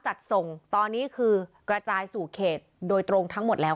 จัดส่งตอนนี้คือกระจายสู่เขตโดยตรงทั้งหมดแล้ว